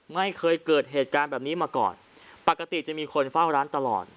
ไม่เคยเกิดเหตุการณ์แบบนี้มาก่อนปกติจะมีคนเฝ้าร้านตลอด